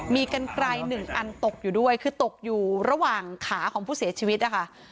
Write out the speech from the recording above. มีกันไกลหนึ่งอันตกอยู่ด้วยคือตกอยู่ระหว่างขาของผู้เสียชีวิตนะคะ